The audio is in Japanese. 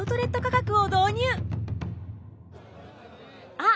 あっ！